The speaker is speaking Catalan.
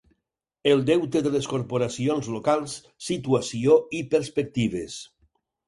El deute de les corporacions locals: situació i perspectives.